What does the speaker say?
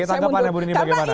tanggapan bu nini bagaimana